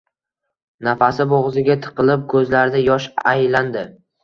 Nafasi bo`g`ziga tiqilib, ko`zlarida yosh aylandi